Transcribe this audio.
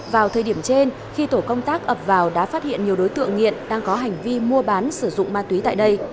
vào thời điểm trên khi tổ công tác ập vào đã phát hiện nhiều đối tượng nghiện đang có hành vi mua bán sử dụng ma túy tại đây